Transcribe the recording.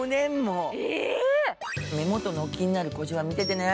目元の気になる小じわ、見ててね。